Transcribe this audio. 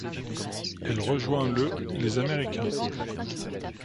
Elle rejoint le les Américains.